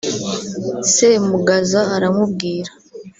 " Semugaza aramubwira